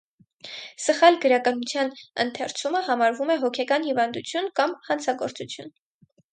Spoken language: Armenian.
«Սխալ» գրականության ընթերցումը համարվում է հոգեկան հիվանդություն կան հանցագործություն։